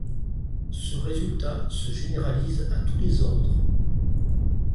Ce résultat se généralise à tous les ordres.